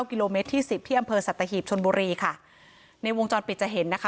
กิโลเมตรที่สิบที่อำเภอสัตหีบชนบุรีค่ะในวงจรปิดจะเห็นนะคะ